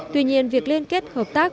tuy nhiên việc liên kết hợp tác